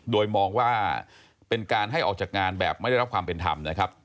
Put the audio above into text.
โดยมองว่าเป็นการให้ออกจากงานแบบไม่ได้รับความเป็นธรรมนะครับ